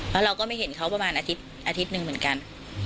แล้วเราก็ไม่เห็นเขาประมาณอาทิตย์อาทิตย์หนึ่งเหมือนกัน